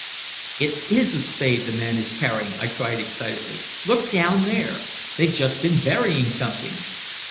"It is a spade the man is carrying!" I cried excitedly. "Look down there! They've just been burying something!"